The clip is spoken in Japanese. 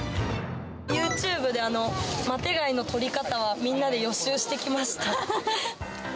ユーチューブで、マテ貝の取り方、みんなで予習してきました。